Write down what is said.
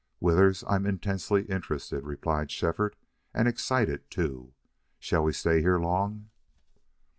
"Withers, I'm intensely interested," replied Shefford, "and excited, too. Shall we stay here long?"